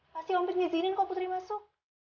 pasti om pit nyezinin kok putri masuk